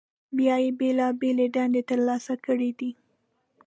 بیا یې بېلابېلې دندې تر سره کړي دي.